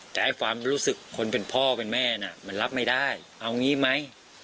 แต่ความรู้สึกคนเป็นพ่อเป็นแม่น่ะมันรับไม่ได้เอางี้ไหม